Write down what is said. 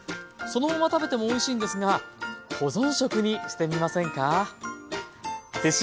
そのまま食べてもおいしいんですが保存食にしてみませんか？